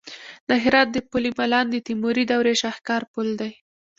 د هرات د پل مالان د تیموري دورې شاهکار پل دی